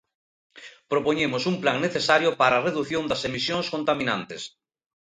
Propoñemos un plan necesario para a redución das emisións contaminantes.